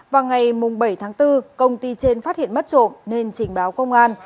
vào ngày bảy tháng bốn công ty trên phát hiện mất trộm nên trình báo công an